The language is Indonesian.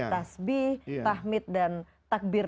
tasbih tahmid dan takbir